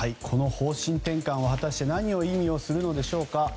この方針転換は果たして何を意味するのでしょうか。